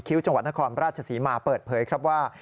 จังหวัดนครราชศรีมาเปิดเผยครับว่า